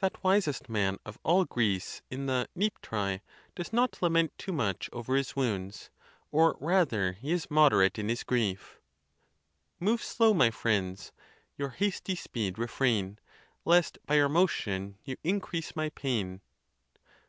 That wisest man of all Greece, in the Niptra, does not la ment too much over his wounds, or, rather, he is moderate in his grief: Move slow, my friends; your hasty speed refrain, Lest by your motion you increase my pain.